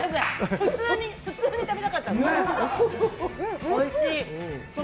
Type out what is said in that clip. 普通に食べたかったの。